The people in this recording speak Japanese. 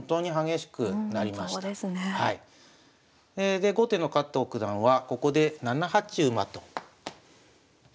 で後手の加藤九段はここで７八馬とやりました。